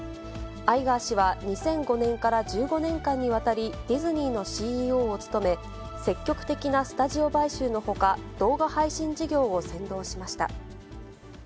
アイガー氏は２００５年から１５年間にわたり、ディズニーのＣＥＯを務め、積極的なスタジオ買収のほか、動画配信事業を先導しました。